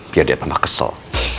biar dia tambah kesel